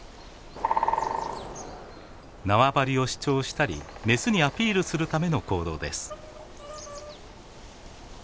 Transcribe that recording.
縄張りを主張したりメスにアピールするための行動です。